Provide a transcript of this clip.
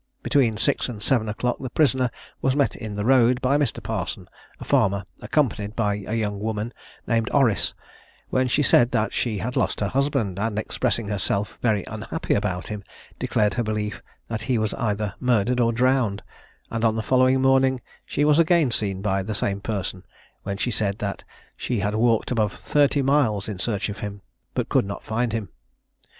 Between six and seven o'clock the prisoner was met in the road by Mr. Parson, a farmer, accompanied by a young woman named Orrice, when she said that she had lost her husband, and expressing herself very unhappy about him, declared her belief that he was either murdered or drowned, and on the following morning she was again seen by the same person, when she said that she had walked above thirty miles in search of him, but could not find him.